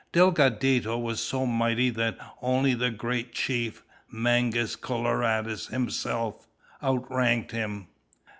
Delgadito was so mighty that only the great chief, Mangus Coloradus himself, outranked him.